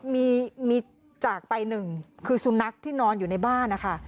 มีมีจากไปหนึ่งคือสุนัขที่นอนอยู่ในบ้านนะคะ